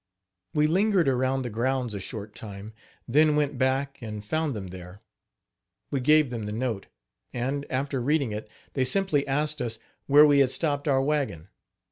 We lingered around the grounds a short time, then went back, and found them there. We gave them the note; and, after reading it, they simply asked us where we had stopped our wagon.